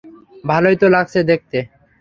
ভালোই তো লাগছে দেখতে।